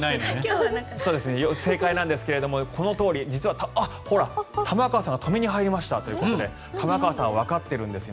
正解なんですが今日はこのとおり実は、玉川さんが止めに入りましたということで玉川さん、わかってるんです。